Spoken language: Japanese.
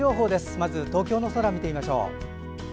まず東京の空を見てみましょう。